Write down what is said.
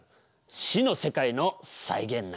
死の世界の再現な。